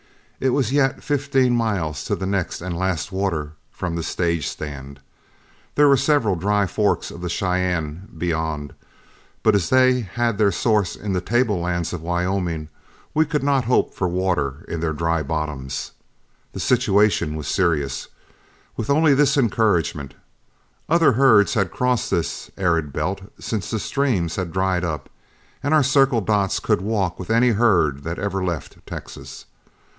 It was yet fifteen miles to the next and last water from the stage stand. There were several dry forks of the Cheyenne beyond, but as they had their source in the tablelands of Wyoming, we could not hope for water in their dry bottoms. The situation was serious, with only this encouragement: other herds had crossed this arid belt since the streams had dried up, and our Circle Dots could walk with any herd that ever left Texas.